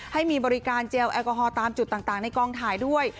ให้มีบริการเจลแอลกอฮอลตามจุดต่างในกองถ่ายด้วย